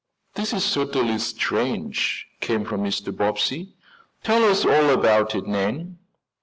"This is certainly strange," came from Mr. Bobbsey. "Tell us all about it, Nan."